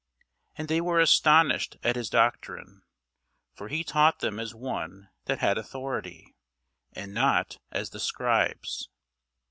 And they were astonished at his doctrine: for he taught them as one that had authority, and not as the scribes.